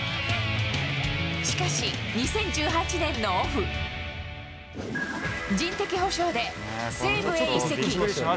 しかし、２０１８年のオフ、人的補償で西武へ移籍。